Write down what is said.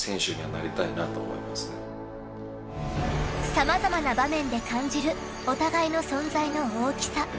さまざまな場面で感じるお互いの存在の大きさ。